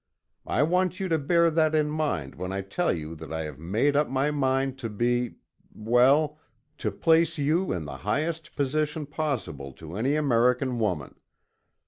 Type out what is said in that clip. I want you to bear that in mind when I tell you that I have made up my mind to be well, to place you in the highest position possible to any American woman.